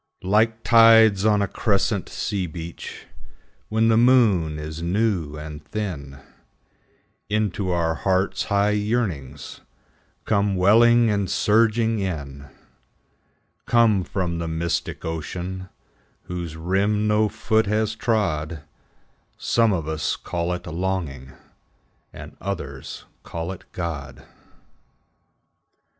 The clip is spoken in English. Like tides on a crescent sea beach, When the moon is new and thin, Into our hearts high yearnings Come welling and surging in, Come from the mystic ocean Whose rim no foot has trod, Some of us call it longing, And others call it God.